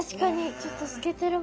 ちょっとすけてるもん。